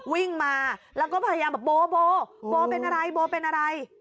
วิ่งมาแล้วก็พยายามแบบโบโบเป็นอะไรโบเป็นอะไร